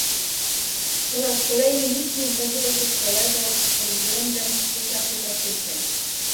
Po raz kolejny nic nie zdarzyło się w Toledo pod względem współpracy praktycznej